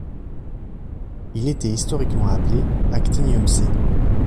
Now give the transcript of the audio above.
Il était historiquement appelé actinium C'.